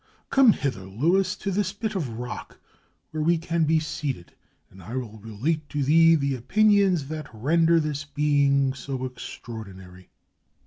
Come hither, Luis, to this bit of rock, where we can be seated, and I will relate to thee the opinions that render this being so extraordi nary.